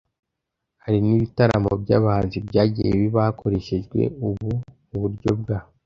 Hari n’ibitaramo by’abahanzi byagiye biba hakoreshejwe ubu uburyo bwa